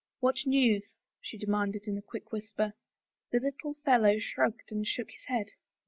"What news?" she demanded in a quick whisper. The little fellow shrugged and shook his head.